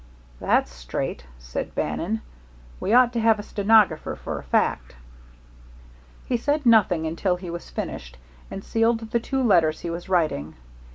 "That's straight," said Bannon. "We ought to have a stenographer for a fact." He said nothing until he had finished and sealed the two letters he was writing.